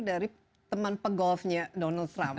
dari teman pegolfnya donald trump